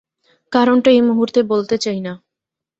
কারণটা এই মুহূর্তে বলতে চাই না।